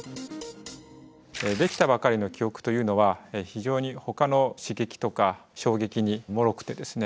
できたばかりの記憶というのは非常にほかの刺激とか衝撃にもろくてですね